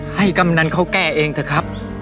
กำนันเขาแก้เองเถอะครับ